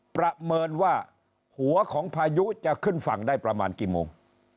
ประเมินว่าหัวของพายุจะขึ้นฝั่งได้ประมาณกี่โมง